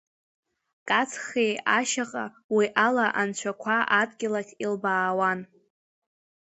Кацхи ашьаҟа, уи ала анцәақәа адгьыл ахь илбаауан.